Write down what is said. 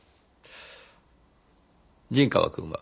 陣川くんは？